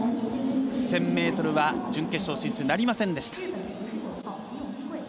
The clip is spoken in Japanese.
１０００ｍは準決勝進出なりませんでした。